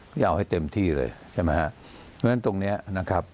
ก็จะเอาให้เต็มที่เลยใช่ไหมฮะเพราะฉะนั้นตรงเนี้ยนะครับ